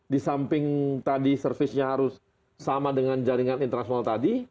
di samping tadi servisnya harus sama dengan jaringan internasional tadi